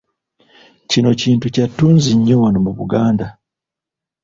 Kino kintu kya ttunzi nnyo wano mu Buganda.